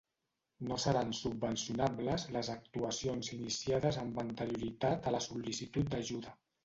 No seran subvencionables les actuacions iniciades amb anterioritat a la sol·licitud d'ajuda.